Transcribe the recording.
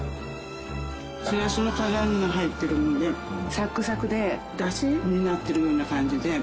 しらすのから揚げが入ってるのでサクサクでだしになってるような感じでおいしく頂けます。